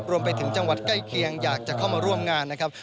รวมไปถึงจังหวัดใกล้เคียงอยากจะเข้ามาร่วมงานนะครับ